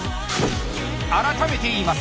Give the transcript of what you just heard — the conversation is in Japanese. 改めて言います！